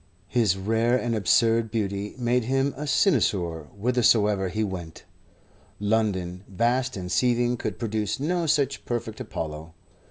His rare and absurd beauty made him a cynosure whithersoever he went. London, vast and seething, could produce no such perfect Apollo.